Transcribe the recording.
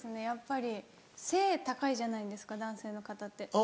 やっぱり背高いじゃないですか男性の方って。